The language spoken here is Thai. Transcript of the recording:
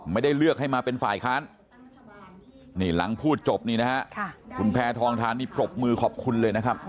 ไม่ได้เลือกให้มาเป็นฝ่ายค้านนี่หลังพูดจบนี่นะฮะคุณแพทองทานนี่ปรบมือขอบคุณเลยนะครับ